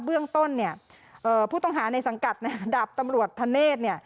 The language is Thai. เบื้องต้นผู้ต้องหาในสังกัดดับตำรวจทะเนส